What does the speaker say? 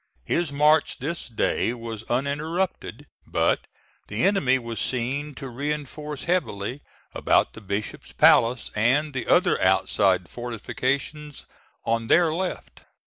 His march this day was uninterrupted; but the enemy was seen to reinforce heavily about the Bishop's Palace and the other outside fortifications on their left.